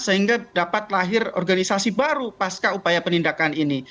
sehingga dapat lahir organisasi baru pasca upaya penindakan ini